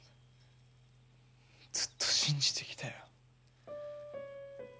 ずっと信じてきたよ。